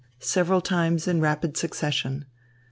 several times in rapid succession.